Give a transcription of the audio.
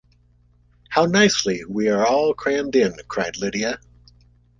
“How nicely we are all crammed in,” cried Lydia.